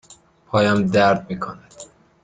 پایم درد می کند.